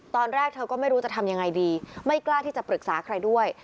ตอนแรกเธอก็ไม่รู้จะทำยังไงดีไม่กล้าที่จะปรึกษาใครด้วย